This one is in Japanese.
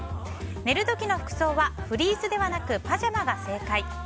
寝る時の服装はフリースではなくパジャマが正解。